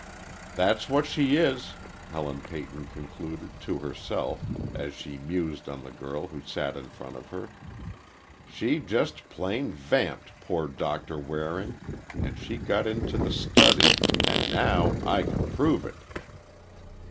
"That's what she is," Helen Peyton concluded, to herself, as she mused on the girl who sat in front of her. "She just plain vamped poor Doctor Waring—and she got into the study—and, now, I can prove it!"